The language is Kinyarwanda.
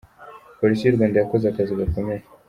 Polisi y'u Rwanda yakoze akazi gakomeye.